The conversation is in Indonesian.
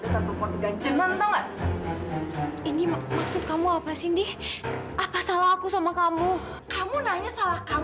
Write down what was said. sampai jumpa di video selanjutnya